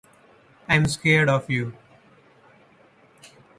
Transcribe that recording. I'm scared for you!